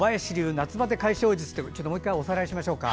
夏バテ解消術ということでもう１回おさらいしましょうか。